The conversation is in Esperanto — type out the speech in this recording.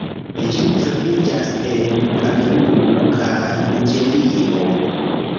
Ĝi troviĝas en Kameruno kaj Niĝerio.